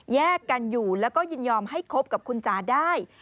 แยกกันอยู่แล้วก็ยินยอมให้คบกับคุณจ๋าได้